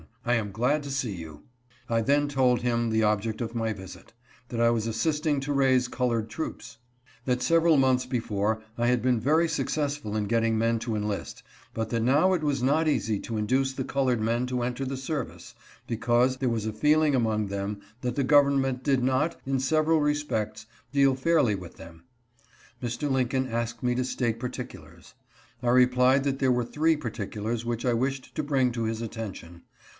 I am glad to see you." I then told him the object of my visit : that I was assisting to raise colored troops ; that several months before I had been very successful in getting men to enlist, but that now it was not easy to induce the colored men to enter the ser vice, because there was a feeling among them that the government did not, in several respects, deal fairly with them. Mr. Lincoln asked me to state particulars. I replied that there were three particulars which I wished to bring to his attention.